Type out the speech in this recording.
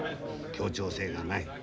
協調性がない。